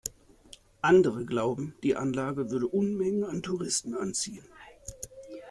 Andere glauben, die Anlage würde Unmengen an Touristen anziehen.